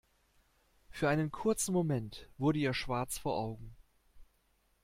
Für einen kurzen Moment wurde ihr schwarz vor Augen.